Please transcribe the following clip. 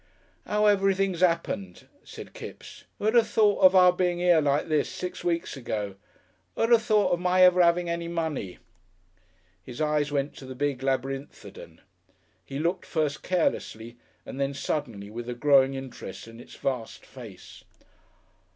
"'Ow everything's 'appened," said Kipps. "Who'd 'ave thought of our being 'ere like this six weeks ago?... Who'd 'ave thought of my ever 'aving any money?" His eyes went to the big Labyrinthodon. He looked first carelessly and then suddenly with a growing interest in its vast face.